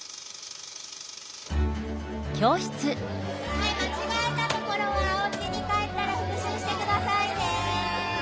はいまちがえたところはおうちに帰ったらふくしゅうしてくださいね。